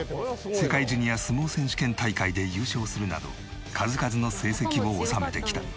世界ジュニア相撲選手権大会で優勝するなど数々の成績を収めてきた。